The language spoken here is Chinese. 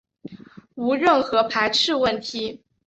无任何排斥问题